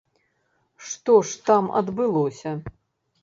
Што ж там адбылося?